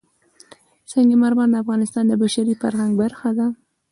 سنگ مرمر د افغانستان د بشري فرهنګ برخه ده.